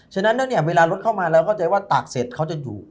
ฉะนั้นเวลารถเข้ามาเราก็เข้าใจว่าตากเสร็จเขาจะอยู่